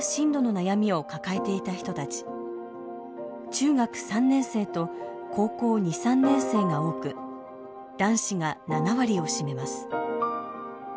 中学３年生と高校２３年生が多く男子が７割を占めます。